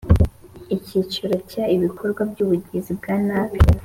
Icyiciro cya Ibikorwa by ubugizi bwa nabi